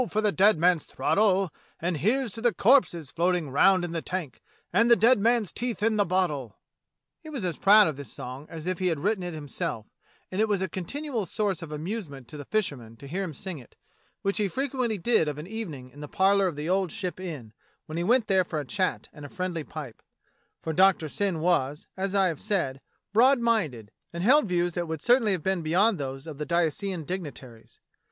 for the dead man's throttle, And here's to the corpses floating round in the tank, And the dead man's teeth in the bottle." 8 THE COMING OF THE KING'S FRIGATE 9 He was as proud of this song as if he had written it himself, and it was a continual source of amusement to the fishermen to hear him sing it, which he frequently did of an evening in the parlour of the old Ship Inn when he went there for a chat and a friendly pipe; for Doctor Syn was, as I have said, broad minded, and held views that would certainly have been beyond those of the diocesan dignitaries.